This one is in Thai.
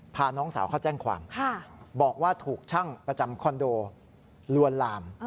น้องสาวเขาแจ้งความบอกว่าถูกช่างประจำคอนโดลวนลาม